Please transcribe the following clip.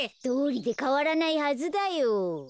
どうりでかわらないはずだよ。